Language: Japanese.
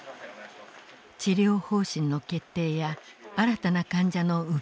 治療方針の決定や新たな患者の受け入れ。